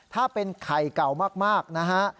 ถ้าเป็นไข่เก่ามากนะฮะ